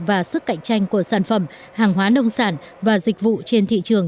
và sức cạnh tranh của sản phẩm hàng hóa nông sản và dịch vụ trên thị trường